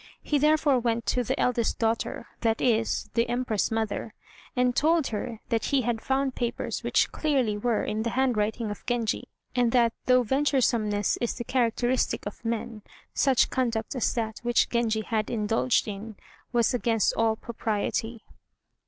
He therefore went to the eldest daughter that is, the Empress mother, and told her that he had found papers which clearly were in the handwriting of Genji, and that though venturesomeness is the characteristic of men, such conduct as that which Genji had indulged in was against all propriety.